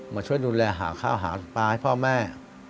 มาช่วยดูแลหาข้าวหาปลาให้พ่อแม่